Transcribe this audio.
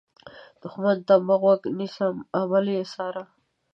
دښمن ته مه غوږ نیسه، عمل یې وڅار